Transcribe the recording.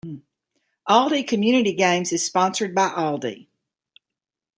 Aldi Community Games is sponsored by Aldi.